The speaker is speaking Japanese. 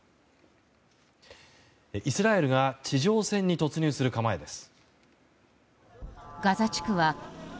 イスラエルが地上戦に突入する構えです。